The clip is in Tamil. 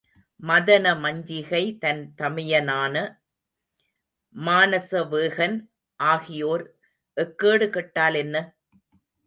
மதன மஞ்சிகை, தன் தமையனான மானசவேகன், ஆகியோர் எக்கேடு கேட்டால் என்ன?